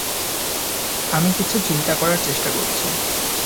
আমি কিছু চিন্তা করার চেষ্টা করছি।